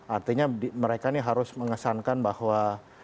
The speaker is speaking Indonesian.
artinya mereka ini harus mengesankan bahwa